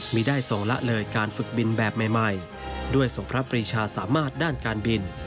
มีได้ส่งละเลยการฝึกบินแบบใหม่ด้วยส่งพระปรีชาสามารถด้านการบิน